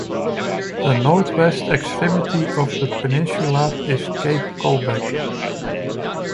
The northwest extremity of the peninsula is Cape Colbeck.